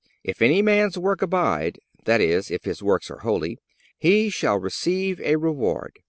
If any man's work abide," that is, if his works are holy, "he shall receive a reward.